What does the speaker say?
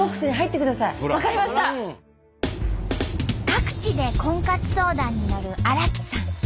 各地で婚活相談に乗る荒木さん。